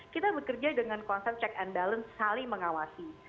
kita bekerja dengan konsep check and balance saling mengawasi